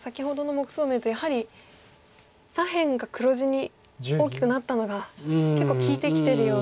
先ほどの目数を見るとやはり左辺が黒地に大きくなったのが結構利いてきてるような。